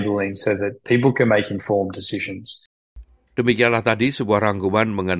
dengan menempatkan ribuan kimia di kulit kita yang kita tidak tahu apa yang akan dilakukan